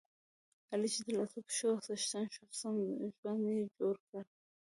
علي چې د لاسو پښو څښتن شو، سم ژوند یې جوړ کړ.